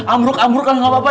amruk ambruk kan gak apa apa